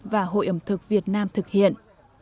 và hội ẩm thực việt nam thực hiện